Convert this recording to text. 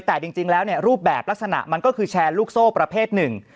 แต่จริงแล้วเนี่ยรูปแบบลักษณะมันก็คือแชร์ลูกโซ่ประเภทหนึ่ง